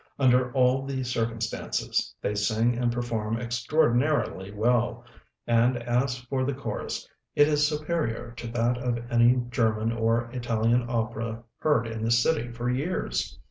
Under all the circumstances, they sing and perform extraordinarily well; and as for the chorus, it is superior to that of any German or Italian opera heard in this city for years.